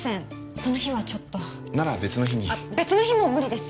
その日はちょっとなら別の日に別の日も無理です